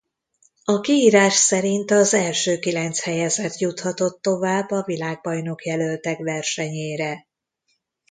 A kiírás szerint az első kilenc helyezett juthatott tovább a világbajnokjelöltek versenyére.